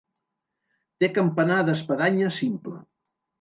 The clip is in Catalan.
Té campanar d'espadanya simple.